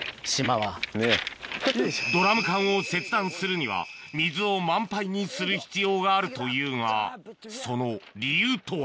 ドラム缶を切断するには水を満杯にする必要があるというがその理由とは？